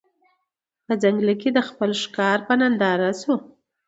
په ځنګله کي د خپل ښکار په ننداره سو